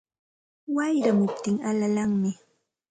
Wayramuptin alalanmi